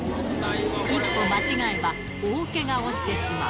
一歩間違えば、大けがをしてしまう。